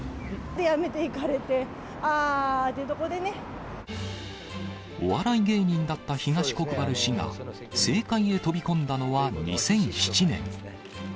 辞めていかれて、あーってとお笑い芸人だった東国原氏が、政界へ飛び込んだのは２００７年。